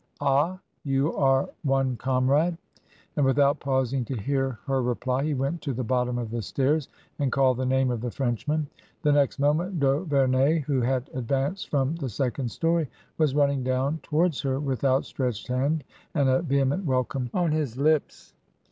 " Ah ! You are one comrade !" And without pausing to hear her reply he went to the bottom of the stairs and called the name of the French man. The next moment d'Auverney, who had advanced from the second story, was running down towards her with outstretched hand and a vehement welcome on his lips.